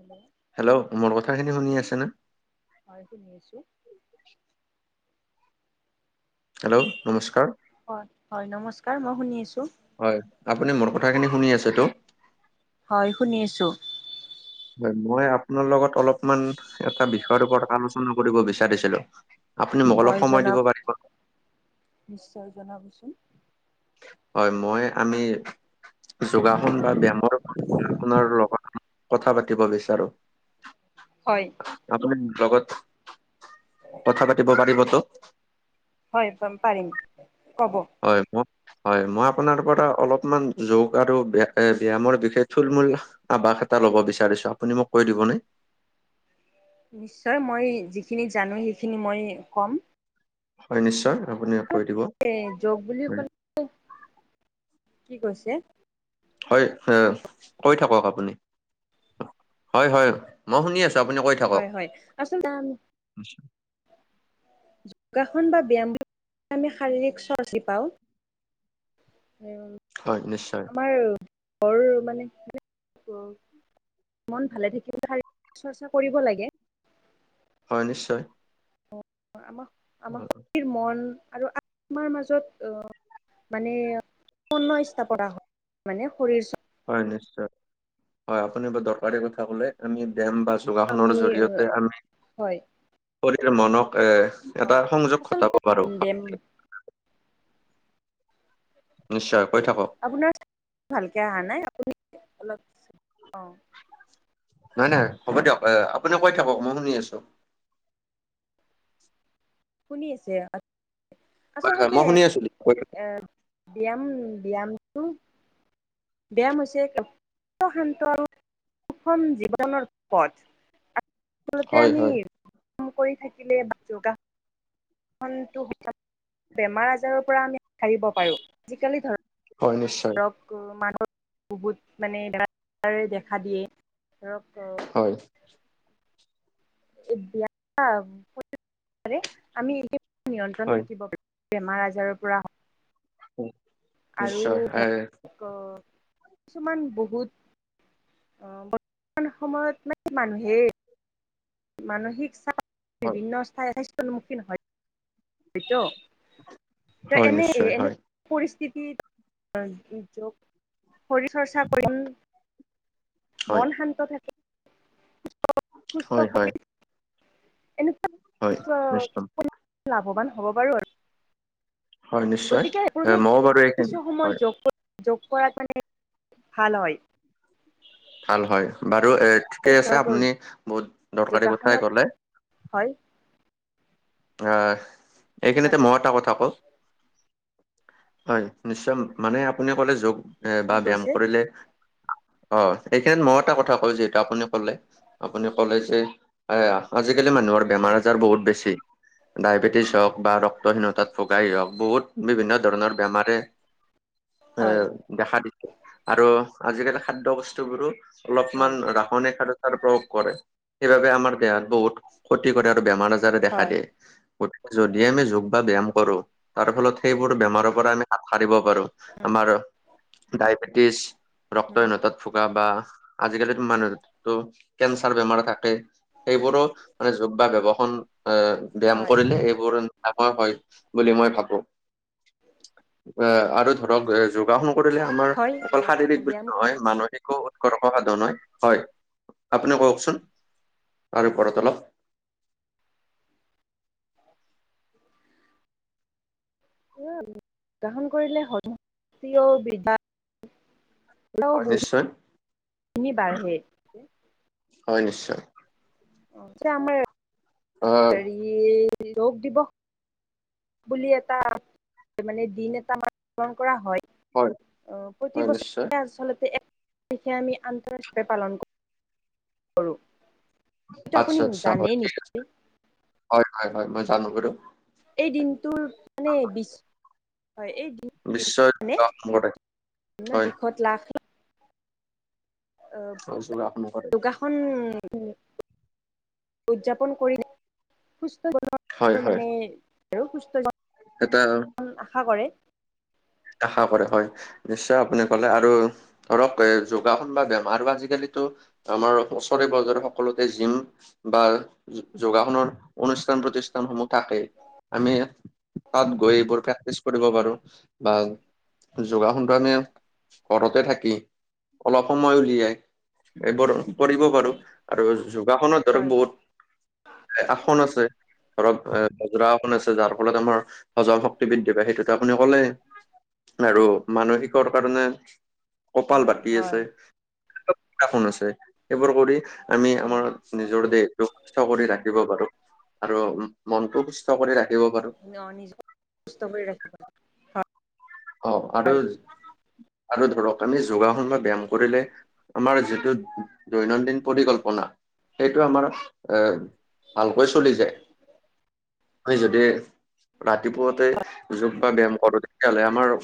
Hello hello, মোৰ কথাখিনি শুনি আছে নে? হয় শুনি আছোঁ। হেল্ল' নমস্কাৰ। হয়, হয়, নমস্কাৰ মই শুনি আছোঁ। হয়, আপুনি মোৰ কথাখিনি শুনি আছে তো'। হয়, শুনি আছোঁ। হয়, মই আপোনাৰ লগত অলপমান এটা বিষয়ৰ ওপৰত আলোচনা কৰিব বিচাৰিছিলোঁ। আপুনি মোক হয় অলপ সময় জনাব দিব পাৰিব নে? নিশ্চয় জনাবচোন। হয়, মই আমি যোগাসন বা ব্যায়ামৰ ওপৰত আপোনাৰ লগত কথা পাতিব বিচাৰোঁ। হয়। আপুনি মোৰ লগত কথা পাতিব পাৰিবতো। হয় পাম-পাৰিম, ক'ব। হয়, মই হয় মই আপোনাৰ পৰা অলপমান যোগ আৰু ব্যয়ামৰ বিষয়ে থুল-মূল আৱাস এটা ল'ব বিচাৰিছোঁ। আপুনি মোক কৈ দিবনে? নিশ্চয় মই যিখিনি জানোঁ, সেইখিনি মই ক'ম। হয়, নিশ্চয় আপুনি কৈ দিব। এ যোগ বুলি হয়। [unintelligible] কি কৈছে? হয় কৈ থাকক আপুনি। হয়, হয়। মই শুনি আছোঁ। আপুনি কৈ থাকক। হয়, হয়। আচলতে আমি আচ্ছা। যোগাসন বা ব্যায়ামবোৰ আমি শাৰীৰিক চৰ্চি পাওঁ। [unintelligible] হয়, নিশ্চয়। আমাৰ ঘৰ মানে কি [unintelligible] মন ভালে থাকিলে শাৰীৰিক চৰ্চা কৰিব লাগে। হয়, নিশ্চয়। আমাৰ-আমাৰ শৰীৰ মন আৰু আত্মা। আত্মাৰ মাজত অহ, মানে [unintelligible] হয় মানে শৰীৰ হয়, নিশ্চয়। হয়, আপুনি বাৰ দৰকাৰ কথা ক'লে আমি বেম বাছ যোগাসনৰ আমি জৰিয়তে আমি হয় শৰীৰ মনক এ এটা সংযোগ আচলতে ঘটাব পাৰোঁ। ব্যায়াম নিশ্চয় কৈ হয়, থাকক আপোনাৰ চাউনটো ভালকৈ অহা নাই, আপুনি অলপ অহ। নহয়-নহয় হ'ব দিয়ক। আপুনি কৈ থাকক মই শুনি আছোঁ। শুনি আছে হয় হয় আচলতে মই শুনি আছো দিয়ক, কৈ থাকক এ ব্যয়াম ব্যায়ামটো ব্যায়াম হৈছে এক শান্ত আৰু সুষম জীৱনৰ পথ। আচলতে হয় আমি হয় ব্যায়াম কৰি থাকিলে বা যোগা যোগাসনটো সদায় কৰি থাকিলে, বেমাৰ আজাৰৰ পৰা আমি সাৰিব পাৰোঁ। আজিকালি ধৰ হয়, নিশ্চয়। মানুহৰ বহুত মানে বেমাৰে দেখা দিয়ে ধৰক হয়। [unintelligible] নিয়ন্ত্ৰণ হয় থাকিব পাৰোঁ। বেমাৰ আজাৰৰ পৰা হওঁক আৰু নিশ্চয় এ ধৰক কিছুমান বহুত অহ, বৰ্তমান সময়ত মানে মানুহেই মানসিক চাপ হয় বিভিন্ন স্বাস্থ্যৰ সন্মুখীন হয়। হয়টো তে' হয় এনেই নিশ্চয় এনে হয় পৰিস্থিতি য'ত শৰীৰ চৰ্চা কৰি হয় মন শান্ত থাকে, সস্থ-সুস্থ হয় হয় শৰীৰ হৈ, এনেকুৱা হয় নিশ্চয় কিছু-কিছুপৰিমাণে লাভৱান হ'ব পাৰোঁ আৰু। হয় নিশ্চয় গতিকে এ মইও বাৰু এইখিনি কিছু সময় হয় যোগ-যোগ কৰাত মানে ভাল হয়। ভাল হয় বাৰু এ ঠিকেই আছে ধৰক আপুনি বহুত দৰকাৰী কথাই যোগাসনত, ক'লে হয়। অহ', এইখিনিতে মইয়ো এটা কথা কওঁ। হয় নিশ্চয়। মানে আপুনি ক'লে যোগ বা কি ব্যয়ায়াম কৈছে কৰিলে অ', এইখিনিত মই এটা কথা কওঁ যিহেতু আপুনি ক'লে আপুনি ক'লে যে এইয়া আজিকালি মানুহৰ বেমাৰ আজাৰ বহুত বেছি। ডায়েবেটিছ হওঁক বা ৰক্তহীনতাত ভোগাই হওঁক বহুত বিভিন্ন ধৰণৰ বেমাৰে এ, হয় দেখা দিয়ে আৰু আজিকালি খাদ্য বস্তুবোৰো অলপমান হয় ৰাসায়নিক সাৰত সাৰ প্ৰয়োগ কৰে, সেইবাবে আমাৰ দেহাত বহুত ক্ষতি কৰে আৰু বেমাৰ আজাৰে দেখা হয় দিয়ে। গতিকে, যদি আমি যোগ বা ব্যায়াম কৰোঁ তাৰ ফলত সেইবোৰ বেমাৰৰ পৰা আমি হাত সাৰিব আমাৰ ডাইবেটিছ ৰক্তহীনতাত ভোগা বা আজিকালিত মানুহটো কেঞ্চাৰ বেমাৰ থাকে। সেইবোৰো মানে যোগ বা ব্যৱসন এ ব্যায়াম হয় কৰিলে এইবোৰ নাহোৱা হয়, বুলি মই ভাৱোঁ। [inaudible] এ, আৰু ধৰক যোগাসন কৰিলে আমাৰ হয় অকল শাৰীৰিক বুলি ব্যায়াম নহয় কৰি মানসিকও কৰ্কসাধন হয়, হয়, আপুনি কওঁকচোন, তাৰ ওপৰত অলপ? [unintelligible] যোগাসন কৰিলে [unintelligible] হয় নিশ্চয় [unintelligible] বাঢ়ে। হয়, নিশ্চয়। এই যে আমাৰ আহ হেৰি য়োগ দিৱস বুলি এটা মানে, দিন এটা [unintelligible] পালন কৰা হয়। প্ৰতি হয় নিশ্চয় বছৰে আচলতে [unintelligible] আমি আন্তঃ ৰাষ্ট্ৰীয় হিচাপে পালন ক কৰোঁ। আচ্ছা, আচ্ছা হয়, ঠিক আছে। হয়, হয়, হয়, মই জানো বাৰু। এই দিনটোৰ মানে বিশ হয়, এই দিন বিশ্ব [unintelligible] যোগাসন কৰে বিভিন্ন হয় দিশত লাখ হয়, যোগাসন কৰে [inaudible] যোগাসন উদযাপন কৰি সুস্থ হয় [unintelligible] হয় মানে আৰু সুস্থ [unintelligible] এটা উম, আশা কৰে। আশা কৰে হয়। নিশ্চয় আপুনি ক'লে আৰু ধৰক এ, যোগাসন বা বেমাৰো আজিকালিতো আমাৰ ওচৰে পাজৰে সকলোতে জিম বা যোগাসনৰ অনুষ্ঠান প্ৰতিষ্ঠানসমূহ থাকে, আমি তাত গৈ এইবোৰ প্ৰেক্টিচ কৰিব পাৰোঁ। বা যোগাসনটো আমি ঘৰতে থাকি অলপ সময় উলিয়াই এইবোৰ কৰিব পাৰোঁ হয় আৰু যোগাসনৰ দৰে হয় বহুত আসন আছে, ধৰক এ মুদ্ৰাসন আছে যাৰ ফলত আমাৰ হজম শক্তি বৃদ্ধি পায়, সেইটোতো আপুনি ক'লেই। আৰু মানসিকৰ কাৰণে কপাল হয় বাতি আছে। হয় [unintelligible] আছে, সেইবোৰ কৰি আমি আমাৰ উম নিজৰ দেহটো সুস্থ কৰি ৰাখিব পাৰোঁ আৰু মনটো সুস্থ কৰি ৰাখিব পাৰো ন নিজক সুস্থ কৰি ৰাখিব অ', আৰু, হয় আৰু ধৰক আমি যোগাসন বা ব্যায়াম কৰিলে আমাৰ যিটো দৈনন্দিন পৰিকল্পনা, সেইটো আমাৰ এ ভালকৈ চলি যায়। [unintelligible] যদি ৰাতিপুৱাতে যোগ বা ব্যায়াম কৰোঁ তেতিয়াহ'লে আ আমাৰ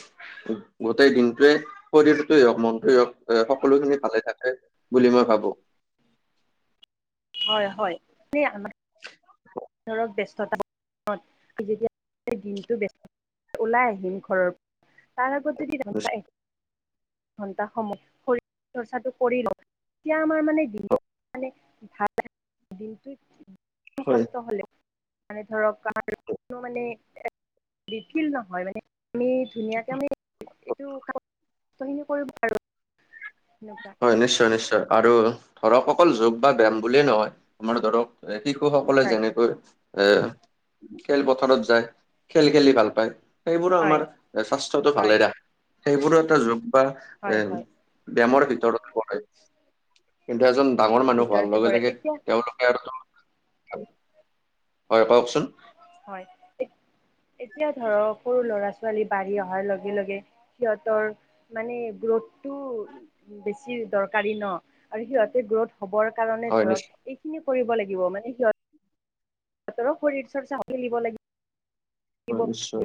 গোটেই দিনটোৱে শৰীৰটোৱেই হওঁক মনটোৱেই হওঁক এ, সকলোখিনি ভালে থাকে বুলি মই ভাবোঁ। হয়, হয়। [unintelligible] [inaudible] ধৰক ব্যস্ততা, [unintelligible] দিনটো ব্যস্ত। ওলাই আহিম ঘৰৰ, তাৰ আগত যদি নাচায় ঘণ্টা সময় শৰীৰ চৰ্চাটো কৰি লওঁ। এতিয়া আমাৰ মানে হয় [unintelligible] [unintelligible] দিথিল নহয় মানে, আমি ধুনীয়াকে আমি এইটো কাম, কামখিনি কৰিব পাৰু, সেনুকা। নিশ্চয়, নিশ্চয়। আৰু ধৰক অকল যোগ বা ব্যায়াম বুলিয়ে নহয়। আমাৰ ধৰক এ, শিশুসকলে হয় যেনেকৈ এ, খেলপথাৰত যায়, খেল খেলি ভাল পায়। সেইবোৰে আমাৰ হয় স্বাস্থ্যটো ভালে হয় ৰাখে। সেইবোৰো এটা যোগ বা এ। হয় হয় ডেমৰ ভিতৰত পৰে। কিন্তু এজন যে ডাঙৰ মোৰ মানুহ হোৱাৰ ভিতৰতে লগে পৰে লগে, এতিয়া তেওঁলোকে আৰু তোৰ ভাল, হয় কওকচোন। হয়। এ এতিয়া ধৰক, সৰু ল'ৰা-ছোৱালী বাঢ়ি অহাৰ লগে লগে সিয়তৰ মানে গ্ৰথটো বেছি দৰকাৰী ন, আৰু সিহঁতে গ্ৰথ হবৰ কাৰণে হয় নিশ্চয় ধৰক এইখিনি কৰিব লাগিব মানে সিয়ত শৰীৰ চৰ্চা [unintelligible] হয় নিশ্চয়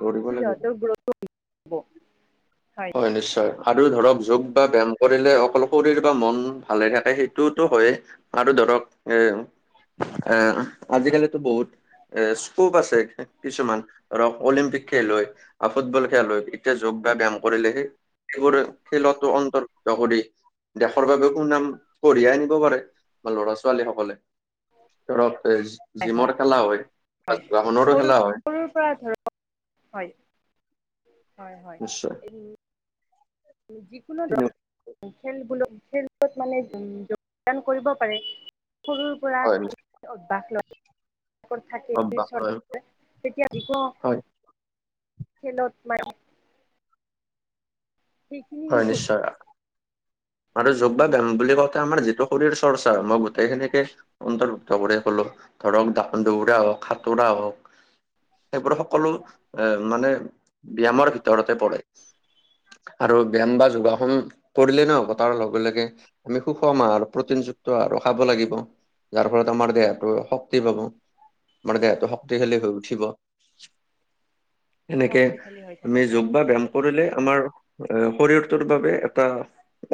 দৌৰিব লাগিব গ্ৰথ [unintelligible] হয় নিশ্চয়, আৰু ধৰক যোগ বা ব্যায়াম কৰিলে অকল শৰীৰ বা মন ভালে থাকে সেইটোতো হয়ে আৰু ধৰক, এ, এ, আজিকালিতো বহুত এ, স্কোপ আছে, কিছুমান, ধৰক অলিম্পিক খেল হয় ফুটবল খেল হয় এতিয়া যোগ বা হয় ব্যায়াম কৰিলেহে, সেইবোৰ হয় খেলতো অন্ত ত কৰি দেশৰ বাবে সুনাম কঢ়িয়াই আনিব পাৰে। ল'ৰা-ছোৱালী সকলে। ধৰক, এ, হয় জিমৰ হয় খেলা হয় বা [unintelligible] খেলা হয়। সৰুপা ধৰক। হয়। হয়, হয়। নিশ্চয় [unintelligible] যিকোনো দৰ তেনে- [unintelligible] মানে যোগদান কৰিব পাৰে। সৰু পৰা হয় নিশ্চয়। অ, বা- অভ্যাস হয় [unintelligible] হয় খেলত মায় ঠিক নি হয়, নিখুদ। নিশ্চয় আৰু যোগ বা ব্যায়াম বুলি কওঁতে আমাৰ যিটো শৰীৰ চৰ্চা, মই গোটেই খিনিকে অন্তৰ্ভুক্ত কৰি কলো ধৰক, [unintelligible] দৌৰা হওঁক, সাঁতোৰা হওঁক সেইবোৰ সকলো এ, মানে হয়। ব্যায়ামৰ ভিতৰতে পৰে। আৰু ব্যায়াম বা যোগাসন কৰিলে ন হয় তাৰ লগে লগে আমি সুষম আহাৰ প্ৰটিনযুক্ত আৰু খাব লাগিব। যাৰ ফলত আমাৰ দেহাটো শক্তি পাব, আমাৰ দেহাটো শক্তিশালী হৈ উঠিব। এনেকে শক্তিশালী হৈ থাকে আমি হয়। যোগ বা ব্যায়াম কৰিলে, আমাৰ শৰীৰটোৰ বাবে এটা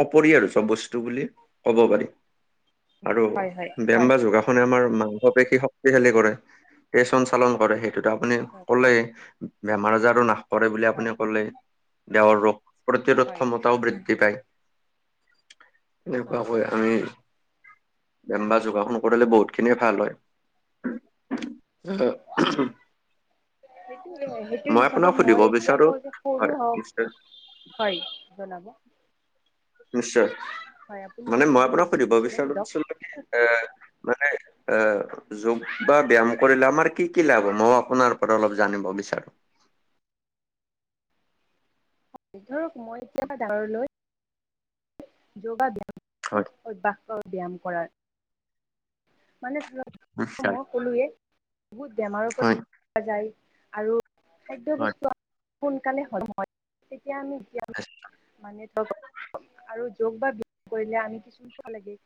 অপৰিহাৰ্য বস্তু বুলি ক'ব পাৰি। আৰু হয় হয় ব্যায়াম হয়। বা যোগাস নে আমাৰ মাংস পেশী শক্তিশালী কৰে, তেজ সঞ্চালন কৰে। সেইটো আপুনি হয় কলেই, বেমাৰ আজাৰো নাশ কৰে বুলি আপুনি হয় ক'লে দেহৰ ৰোগ প্ৰতিৰোধ হয় ক্ষমতাও বৃদ্ধি পায়, হয়। এনেকুৱাকৈ আমি ব্যায়াম বা যোগাসন কৰিলে বহুত খিনিয়ে ভাল হয়। অ'। হয়। সেইটো মই আপোনাক হিচাপত সুধিব মই এতিয়া বিচাৰো কৰু, হয় কৰু নিশ্চয় হওঁক। হয়, জনাব। নিশ্চয়। হয় আপুনি মানে কি মই আপোনাক সুধিব বিচাৰিছিলে সোধক বিচাৰোছিলো এ, মানে যোগ বা ব্যয়াম কৰিলে আমাৰ কি কি লাভ মইও আপোনাৰ পৰা অলপ জানিব বিচাৰো ধৰক মই এতিয়া ডাঙৰলৈ যোগা ব্যয়ামটো হয় অভ্যাস কৰা ব্যায়াম কৰাৰ মানে ধৰক নিশ্চয় মই ক'লোৱেই বহুত বেমাৰৰ পৰা হয় ৰেহাই পোৱা যায় আৰু হয় খাদ্যবস্তু সোনকালে সলয় তেতিয়া আমি এতিয়া মানে ধৰক আৰু যোগ বা ব্যয়াম কৰিলে আমি কিছু খ [unintelligible] লাগে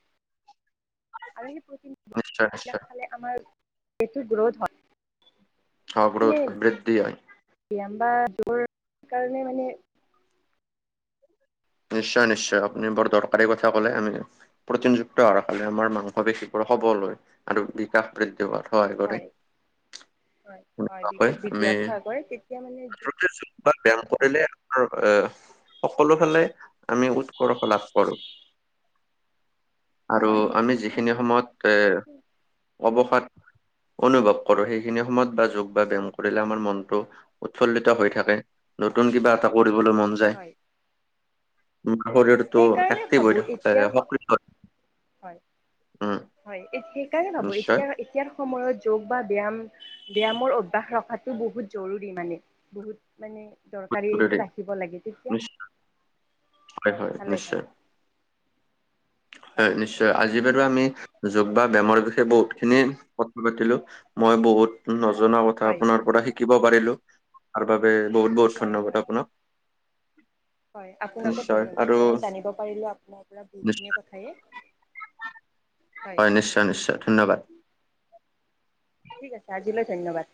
আৰু সেই প্ৰতিাক নিশ্চয় [unintelligible] বিলাক নিশ্চয় খালে আমাৰ ওয়েটটো গ্ৰোথ হয় অ মানে গ্ৰোথ হয়। বৃদ্ধি হয় ব্যায়াম বা যোগৰ কাৰণে মানে নিশ্চয় নিশ্চয় আপুনি বৰ দৰকাৰী কথা ক'লে আমি প্ৰটিনযুক্ত আহাৰ খালে আমাৰ মাংস পেশীবোৰ সবল হয় আৰু চাপ বৃদ্ধি হোৱাত সহায় কৰে হয় হয় হয় দুইটাক বৃদ্ধি হোৱাত সহায় কৰে তেতিয়া মানে বাট ব্যয়াম হয় কৰিলে আমাৰ এ সকলো ফালে আমি উৎকৰ্ষ লাভ কৰো আৰু হয় আমি যিখিনি সময়ত এ সেইটো অৱসাদ অনুভৱ কৰো সেইখিনি সময়ত বা যোগ বা ব্যয়াম কৰিলে আমাৰ মনটো হয় উৎফুল্লিত হৈ থাকে নতুন কিবা এটা কৰিবলৈ মন যায় হয় মুঠতে শৰীৰটো সেইকাৰণে এক্টিভ হৈ ভাবো থাকা এতিয়াৰ যায় [unintelligible] হয় উম হয়, সেইকাৰণে ভাবো! নিশ্চয় এতিয়া, এতিয়াৰ সময়ত যোগ বা ব্যায়াম ব্যায়ামৰ অভ্যাস ৰখাটো বহুত জৰুৰী মানে বহুত, মানে দৰকাৰীটো জৰুৰী। ৰাখিব লাগে তেতিয়া নিশ্চয় হয় হয় ভালে নিশ্চয় থাকে! হয়, নিশ্চয়! আজি বাৰু আমি যোগ বা ব্যামৰ বিষয়ে বহুতখিনি কথা পাতিলো! মই বহুত, নজনা কথা হয় আপোনাৰ পৰা শিকিব পাৰিলো! তাৰ বাবে বহুত বহুত হয় ধন্যবাদ হয় আপোনাক! হয়, আপোনাকো নিশ্চয় ধন্যবাদ! আৰু ময়ো জানিব পাৰিলো আপোনাৰ পৰা নিশ্চয় বহুতখিনিৰ কথায়ে, হয়! নিশ্চয়, নিশ্চয় ধন্যবাদ! ঠিক আছে আজিলৈ ধন্যবাদ!